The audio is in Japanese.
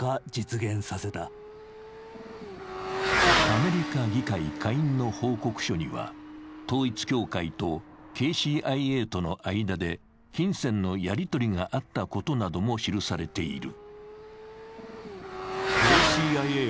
アメリカ議会下院への報告書には、統一教会とＫＣＩＡとの間で金銭のやりとりがあったことなども記されている。